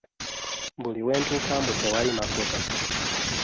Buli we ntuuka mbu tewali mafuta.